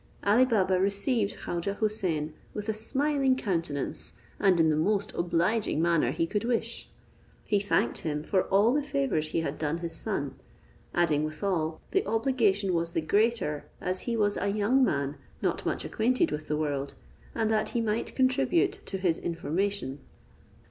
Ali Baba received Khaujeh Houssain with a smiling countenance, and in the most obliging manner he could wish. He thanked him for all the favours he had done his son; adding withal, the obligation was the greater, as he was a young man not much acquainted with the world, and that he might contribute to his information.